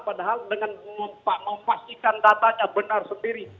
padahal dengan memastikan datanya benar sendiri